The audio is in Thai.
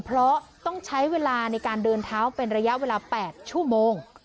เพราะต้องใช้เวลาในการเดินเท้าเป็นระยะเวลา๘ชั่วโมง